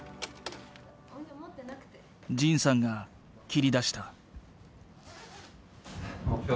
仁さんが切り出した。